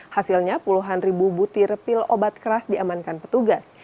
hasilnya puluhan ribu butir pil obat keras diamankan petugas